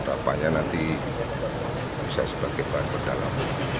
apanya nanti bisa sebagai bahan berdalam